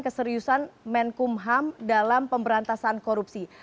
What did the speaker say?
keseriusan menkum ham dalam pemberantasan korupsi